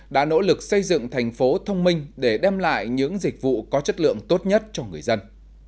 đã nỗ lực xây dựng thành phố thông minh để đem lại những dịch vụ có chất lượng tốt nhất cho người dân